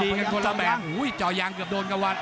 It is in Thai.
กันคนละแบบเจาะยางเกือบโดนกระหวัด